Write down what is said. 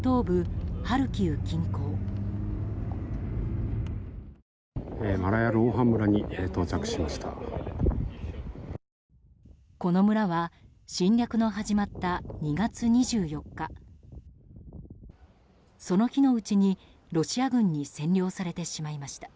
この村は侵略の始まった２月２４日その日のうちにロシア軍に占領されてしまいました。